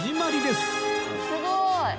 すごーい。